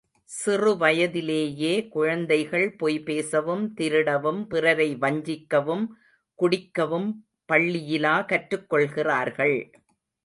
சிறுவயதிலேயே குழந்தைகள் பொய் பேசவும், திருடவும், பிறரை வஞ்சிக்கவும், குடிக்கவும் பள்ளியிலா கற்றுக்கொள்கிறார்கள்.